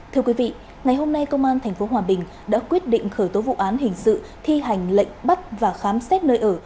thưa quý vị ngày hôm nay công an tp hòa bình đã quyết định khởi tố vụ án hình sự thi hành lệnh bắt và khám xét nơi ở